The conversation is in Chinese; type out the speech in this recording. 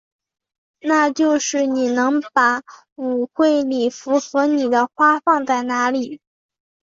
那就是你能把舞会礼服和你的花放在哪里？